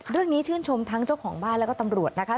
ชื่นชมทั้งเจ้าของบ้านแล้วก็ตำรวจนะคะ